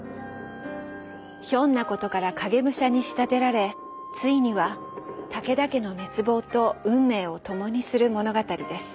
ひょんなことから影武者に仕立てられついには武田家の滅亡と運命を共にする物語です。